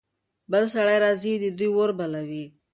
بل سړی راځي. دوی اور بلوي.